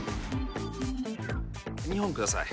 ２本ください